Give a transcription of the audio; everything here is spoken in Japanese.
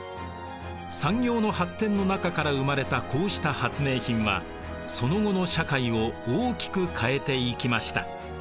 産業の発展の中から生まれたこうした発明品はその後の社会を大きく変えていきました。